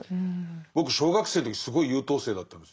僕小学生の時すごい優等生だったんです。